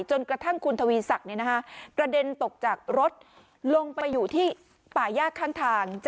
จนกระทั่งคุณทวีศักดิ์กระเด็นตกจากรถลงไปอยู่ที่ป่าย่าข้างทาง